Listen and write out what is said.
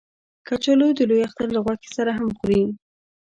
کچالو د لوی اختر له غوښې سره هم خوري